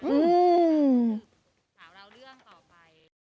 อืม